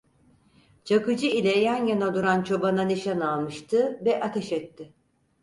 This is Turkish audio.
Çakıcı ile yan yana duran çobana nişan almıştı ve ateş etti.